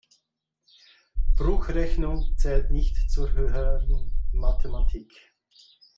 Bruchrechnung zählt nicht zur höheren Mathematik.